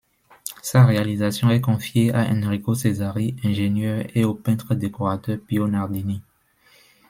Sa réalisation est confiée à Enrico Cesari, ingénieur et au peintre-décorateur Pio Nardini.